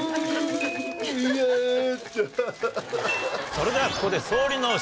それではここで。